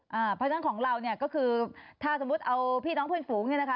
เพราะฉะนั้นของเราเนี่ยก็คือถ้าสมมุติเอาพี่น้องเพื่อนฝูงเนี่ยนะคะ